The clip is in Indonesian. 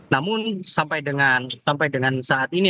namun sampai dengan saat ini